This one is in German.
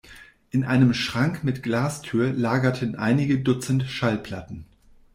In einem Schrank mit Glastür lagerten einige dutzend Schallplatten.